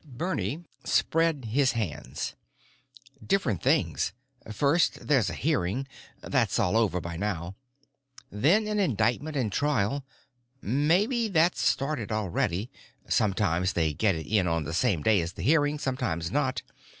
Bernie spread his hands. "Different things. First there's a hearing. That's all over by now. Then an indictment and trial. Maybe that's started already; sometimes they get it in on the same day as the hearing, sometimes not.